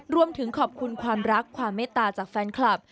รวมถึงขอบคุณความรักความเมตตาจากแฟนคลับ